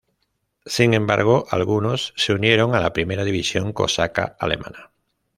Sin embargo, algunos se unieron a la Primera División Cosaca alemana.